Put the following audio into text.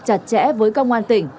chặt chẽ với công an tỉnh